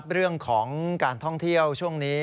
เรื่องของการท่องเที่ยวช่วงนี้